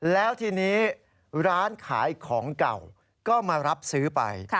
แล้วทีนี้ร้านขายของเก่าก็มารับซื้อไป